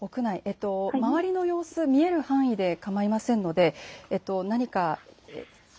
周りの様子、見える範囲で構いませんので何か。